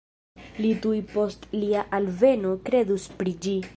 Li tuj post lia alveno kredus pri ĝi